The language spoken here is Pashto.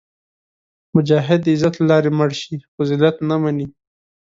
مجاهد د عزت له لارې مړ شي، خو ذلت نه مني.